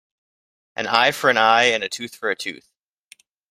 An eye for an eye and a tooth for a tooth.